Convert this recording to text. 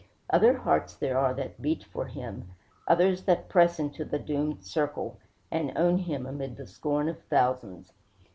Other hearts there are that beat for him; others that press into the doomed circle, and own him amid the scorn of thousands.